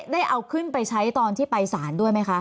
ได้เอาขึ้นไปใช้ตอนที่ไปศาลด้วยไหมคะ